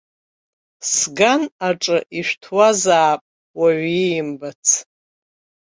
Сган аҿы ишәҭуазаап уаҩы иимбац.